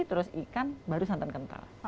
terus ikan baru santan kental